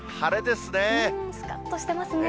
すかっとしてますね。